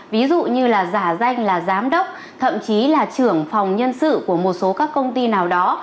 ví dụ như là giả danh là giám đốc thậm chí là trưởng phòng nhân sự của một số các công ty nào đó